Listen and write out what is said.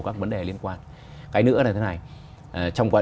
các vấn đề liên quan cái nữa là thế này